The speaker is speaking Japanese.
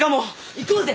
行こうぜ！